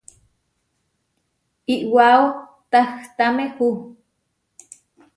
iʼwáo tahtámehu.